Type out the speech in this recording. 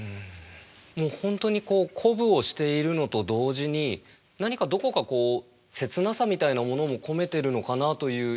もう本当にこう鼓舞をしているのと同時に何かどこかこう切なさみたいなものも込めてるのかなという。